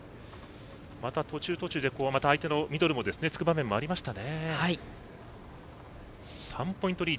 また途中、途中で相手のミドルを突く場面ありましたね。